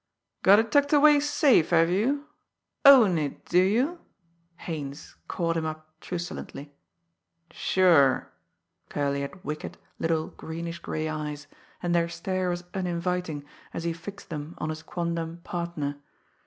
"Got it tucked away safe, have you? Own it, do you?" Haines caught him up truculently. "Sure!" Curley had wicked, little greenish grey eyes, and their stare was uninviting as he fixed them on his quondam partner.